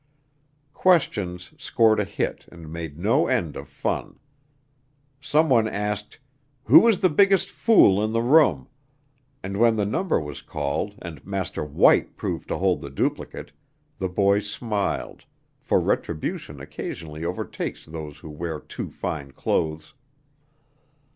"Questions" scored a hit and made no end of fun. Some one asked: "Who is the biggest fool in the room?" and when the number was called and Master White proved to hold the duplicate, the boy smiled, for retribution occasionally overtakes those who wear too fine clothes.